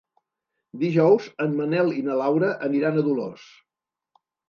Dijous en Manel i na Laura aniran a Dolors.